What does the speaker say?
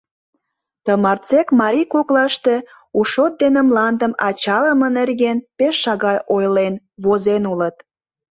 Тымарсек марий коклаште у шот дене мландым ачалыме нерген пеш шагал ойлен, возен улыт.